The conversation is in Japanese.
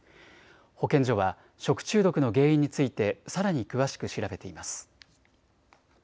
保健所は食中毒の原因についてさらに詳しく調べています。